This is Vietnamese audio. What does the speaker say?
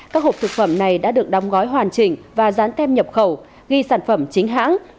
các hộp thực phẩm này đã được đóng gói hoàn chỉnh và dán tem nhập khẩu ghi sản phẩm chính hãng